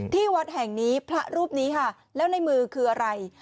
ที่วัดแห่งนี้พระรูปนี้ค่ะแล้วในมือคืออะไร